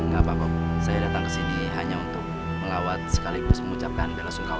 gak apa kok saya datang kesini hanya untuk melawat sekaligus mengucapkan bela sungguh